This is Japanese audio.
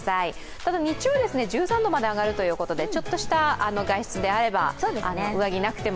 ただ、日中は１３度まで上がるということで、ちょっとした外出であれば上着なくても。